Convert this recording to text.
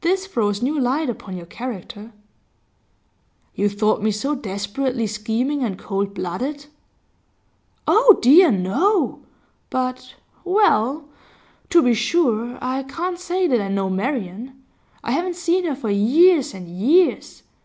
This throws new light upon your character.' 'You thought me so desperately scheming and cold blooded?' 'Oh dear no! But well, to be sure, I can't say that I know Marian. I haven't seen her for years and years.